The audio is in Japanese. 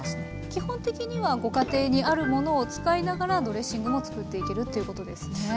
基本的にはご家庭にあるものを使いながらドレッシングも作っていけるということですね。